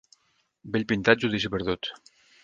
Vell pintat, judici perdut.